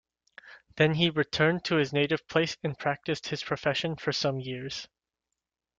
Then he returned to his native place and practised his profession for some years.